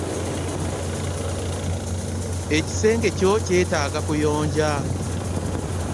Ekisenge kyo kyetaaga kuyonja.